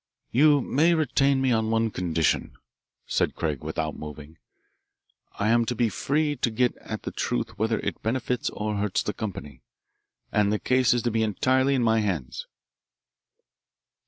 "You may retain me on one condition," said Craig without moving. "I am to be free to get at the truth whether it benefits or hurts the company, and the case is to be entirely in my hands."